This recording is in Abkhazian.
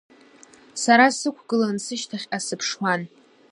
Сара сықәгыланы, сышьҭахьҟа сыԥшуан.